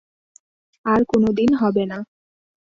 আর কোনো দিন হবে না।